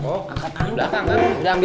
oh angkat di belakang